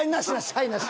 はいなし！